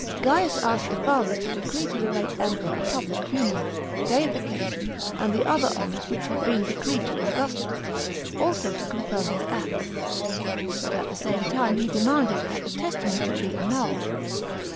Gaius asked the fathers to decree to the late Emperor a public funeral, deification, and the other honours which had been decreed to Augustus, also to confirm his acts ; but at the same time he demanded that the testament should be annulled.